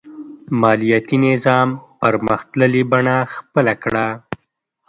مالیاتي نظام پرمختللې بڼه خپله کړه.